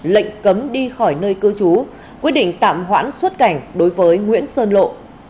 lệnh cấm đi khỏi nơi cư trú quyết định tạm hoãn xuất cảnh đối với nguyễn sơn lộ